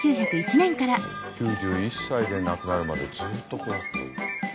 ９１歳で亡くなるまでずっとここだった。